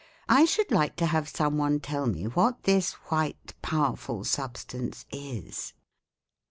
I should like to have some one tell me what this white, powerful substance is."